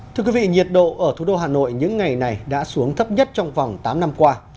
thưa quý vị nhiệt độ ở thủ đô hà nội những ngày này đã xuống thấp nhất trong vòng tám năm qua